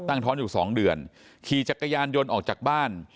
ท้อนอยู่สองเดือนขี่จักรยานยนต์ออกจากบ้าน